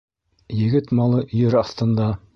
Егет малы ер аҫтында.